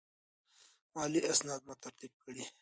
مالي اسناد مو ترتیب کړئ.